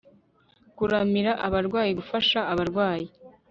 kuramira abarwayi gufasha abarwayi